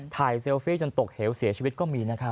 เซลฟี่จนตกเหวเสียชีวิตก็มีนะครับ